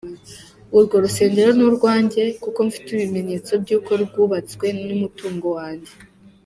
Urwo rusengero ni urwanjye, kuko mfite ibimenyetso by’uko rwubatswe n’umutungo wanjye.